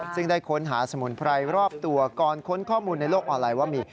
ซึ่งได้ค้นหาสมุนไพรรอบตัวก่อนค้นข้อมูลในโลกออนไลน์ว่ามี